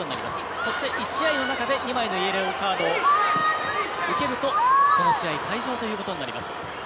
そして、１試合の中で２枚のイエローカードを受けるとその試合退場ということになります。